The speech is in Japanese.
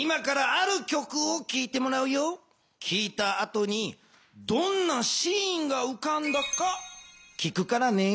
きいたあとにどんなシーンがうかんだか聞くからね。